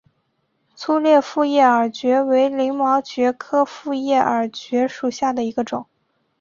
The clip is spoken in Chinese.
粗裂复叶耳蕨为鳞毛蕨科复叶耳蕨属下的一个种。